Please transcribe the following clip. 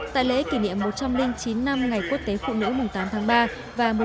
tại lễ kỷ niệm một trăm linh chín năm ngày quốc tế phụ nữ tám tháng ba và một nghìn chín trăm linh hai